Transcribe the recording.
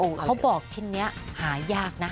เค้าบอกสินเนี่ยหายากนะอ๋อ